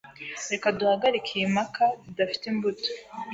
Reka duhagarike iyi mpaka zidafite imbuto.